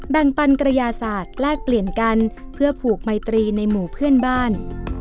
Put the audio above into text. ปันกระยาศาสตร์แลกเปลี่ยนกันเพื่อผูกไมตรีในหมู่เพื่อนบ้าน